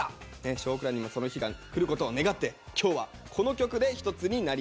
「少クラ」にもその日がくることを願って今日はこの曲で一つになりましょう。